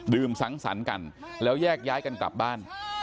สังสรรค์กันแล้วแยกย้ายกันกลับบ้าน